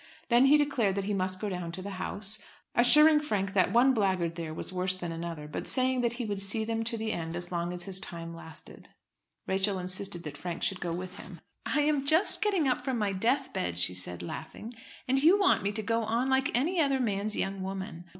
Then he declared that he must go down to the House, assuring Frank that one blackguard there was worse than another, but saying that he would see them to the end as long as his time lasted. Rachel insisted that Frank should go with him. "I am just getting up from my death bed," she said, laughing, "and you want me to go on like any other man's young woman.